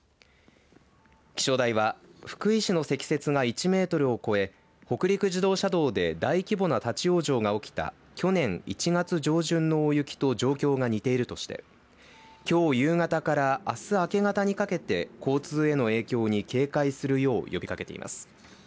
気象台は福井市の積雪が１メートルを超え北陸自動車道で大規模な立往生が起きた去年１月上旬の大雪と状況が似ているとしてきょう夕方からあす明け方にかけて交通への影響に警戒するよう呼びかけています。